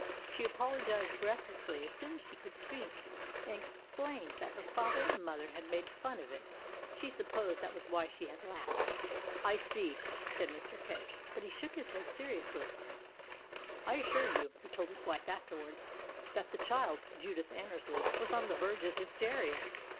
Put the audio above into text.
She apologized breathlessly as soon as she could speak, and explained that her father and mother had made fun of it; she supposed that was why she had laughed. "I see," said Mr. Kay, but he shook his head seri ously. "I assure you," he told his wife afterwards, "that the child, Judith Annersley, was on the verge of hysteria.